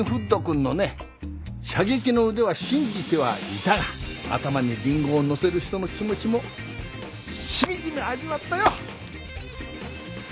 射撃の腕は信じてはいたが頭にリンゴを載せる人の気持ちもしみじみ味わったよ。